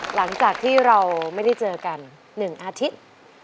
หลังจากที่เราไม่ได้เจอกัน๑อาทิตย์